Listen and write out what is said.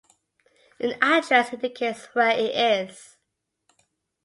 An address indicates where it is.